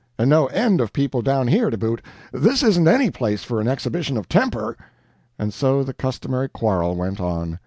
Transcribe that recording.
And no end of people down here to boot; this isn't any place for an exhibition of temper." And so the customary quarrel went on.